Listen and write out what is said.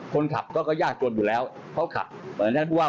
คนขับก็ยากกว่าอยู่แล้วเขาขับเพราะฉะนั้นท่านพูดว่า